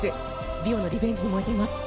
リオのリベンジに燃えています。